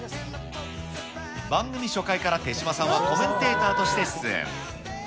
番組初回から手嶋さんはコメンテーターとして出演。